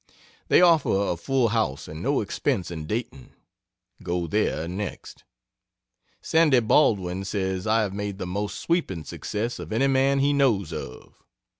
They offer a full house and no expense in Dayton go there next. Sandy Baldwin says I have made the most sweeping success of any man he knows of.